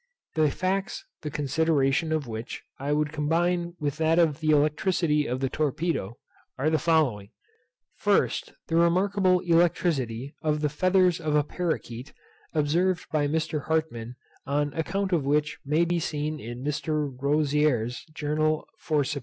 The facts, the consideration of which I would combine with that of the electricity of the torpedo, are the following. First, The remarkable electricity of the feathers of a paroquet, observed by Mr. Hartmann, an account of which may be seen in Mr. Rozier's Journal for Sept.